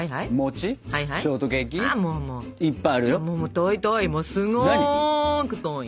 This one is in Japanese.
遠い遠いすごく遠い。